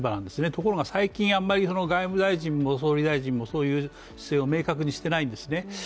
ところが最近、あんまり外務大臣も総理大臣もそういう姿勢を明確にしていないんですね。